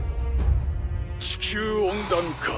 地球温暖化